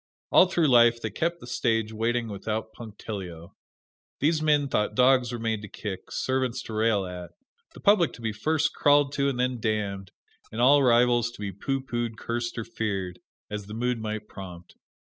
All through life they kept the stage waiting without punctilio. These men thought dogs were made to kick, servants to rail at, the public to be first crawled to and then damned, and all rivals to be pooh poohed, cursed or feared, as the mood might prompt.